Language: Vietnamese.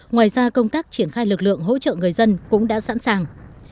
ngoài ra công tác triển khai lực lượng hỗ trợ người dân cũng đã sẵn sàng